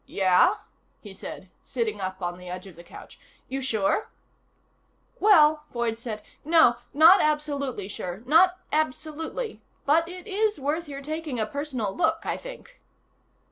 "Yeah?" he said, sitting up on the edge of the couch. "You sure?" "Well," Boyd said, "no. Not absolutely sure. Not absolutely. But it is worth your taking a personal look, I think."